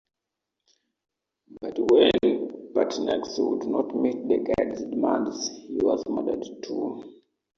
But when Pertinax would not meet the guard's demands, he was murdered, too.